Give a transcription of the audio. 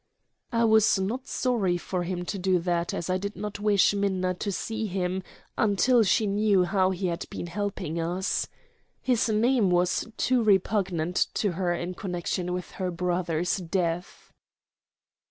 I was not sorry for him to do that, as I did not wish Minna to see him until she knew how he had been helping us. His name was too repugnant to her in connection with her brother's death.